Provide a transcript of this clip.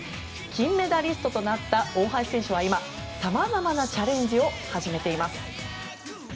金メダリストとなった大橋選手は今さまざまなチャレンジを始めています。